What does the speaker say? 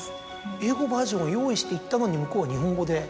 英語バージョンを用意していったのに向こうは日本語で？